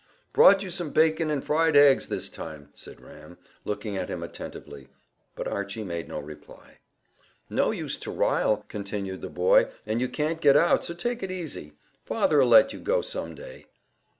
"Brought you some bacon and some fried eggs, this time," said Ram, looking at him attentively, but Archy made no reply. "No use to rile," continued the boy, "and you can't get out, so take it easy. Father'll let you go some day."